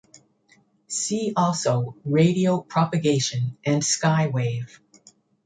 See also Radio Propagation and Skywave.